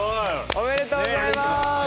ありがとうございます。